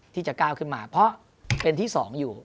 ที่จะก้าวขึ้นมาเพราะเป็นที่๒อยู่